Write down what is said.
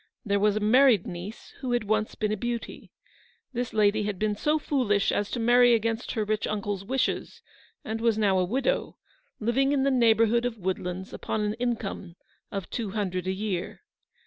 There was a married niece, who had once been a beauty. This lady had been so foolish as to marry against her rich uncle's wishes, and was now a widow, living in the neighbourhood of Woodlands upon an income of two hundred a year.